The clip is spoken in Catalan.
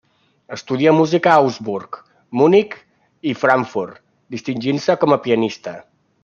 Estudià música a Augsburg, Munic i Frankfurt, distingint-se com a pianista.